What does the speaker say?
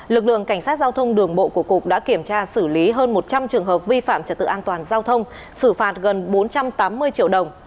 lực lượng cảnh sát giao thông đường bộ của cục đã kiểm tra xử lý hơn một trăm linh trường hợp vi phạm trật tự an toàn giao thông xử phạt gần bốn trăm tám mươi triệu đồng